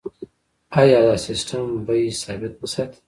آیا دا سیستم بیې ثابت نه ساتي؟